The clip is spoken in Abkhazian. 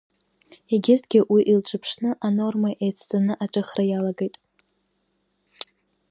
Егьырҭгьы уи илҿыԥшны анорма иацҵаны аҿыхра иалагеит.